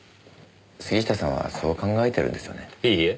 杉下さんはそう考えてるんですよね？